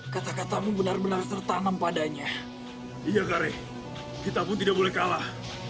kata katamu benar benar tertanam padanya iya kare kita pun tidak boleh kalah